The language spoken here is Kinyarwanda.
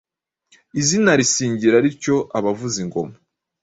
izina risingira rityo abavuza ingoma